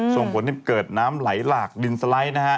ส่งผลให้เกิดน้ำไหลหลากดินสไลด์นะฮะ